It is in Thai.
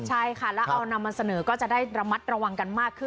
ใช่ค่ะแล้วเอานำมาเสนอก็จะได้ระมัดระวังกันมากขึ้น